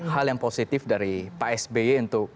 hal yang positif dari pak sby untuk